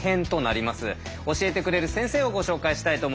教えてくれる先生をご紹介したいと思います。